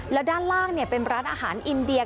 แล้วด้านล่างเป็นร้านอาหารอินเดีย